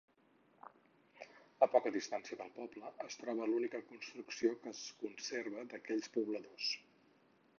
A poca distància del poble es troba l'única construcció que es conserva d'aquells pobladors.